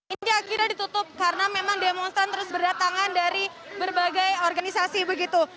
ini akhirnya ditutup karena memang demonstran terus berdatangan dari berbagai organisasi begitu